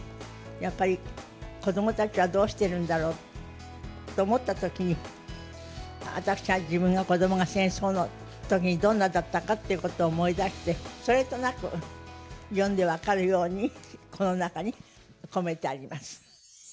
やっぱり子どもたちはどうしてるんだろうと思ったときに、私が、自分が子どもの戦争だったときに、どんなだったかということを思い出して、それとなく読んで分かるようにこの中に込めてあります。